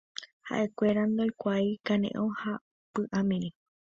Ha'ekuéra ndoikuaái kane'õ ha py'amirĩ